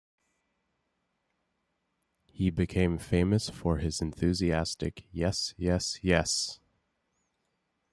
He became famous for his enthusiastic Yes, yes, yes!